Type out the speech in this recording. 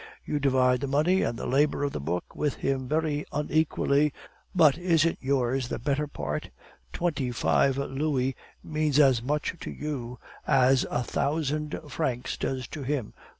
You divide the money and the labor of the book with him very unequally, but isn't yours the better part? Twenty five louis means as much to you as a thousand francs does to him.